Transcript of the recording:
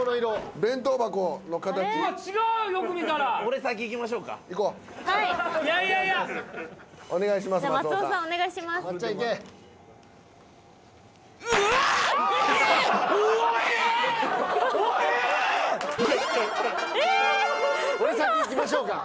「俺先いきましょうか？」